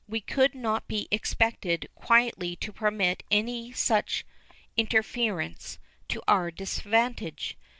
We could not be expected quietly to permit any such interference to our disadvantage.